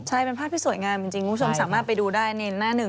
ใช่เป็นภาพที่สวยงามจริงคุณผู้ชมสามารถไปดูได้ในหน้าหนึ่ง